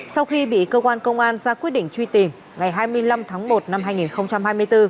sau khi bị cơ quan công an ra quyết định truy tìm ngày hai mươi năm tháng một năm hai nghìn hai mươi bốn